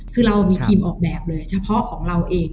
คือเรามีทีมออกแบบเลยเฉพาะของเราเอง